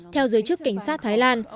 theo giới chức cảnh sát thái lan